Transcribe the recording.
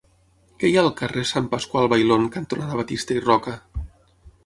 Què hi ha al carrer Sant Pasqual Bailón cantonada Batista i Roca?